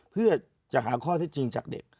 เพื่อจะหาข้อเท็จจริงจากเด็ก